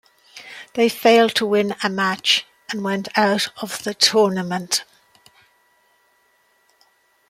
They failed to win a match and went out of the tournament.